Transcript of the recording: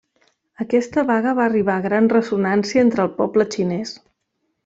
Aquesta vaga va arribar gran ressonància entre el poble xinès.